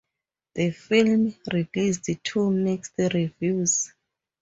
The film released to mixed reviews.